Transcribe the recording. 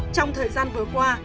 trong thời gian vừa qua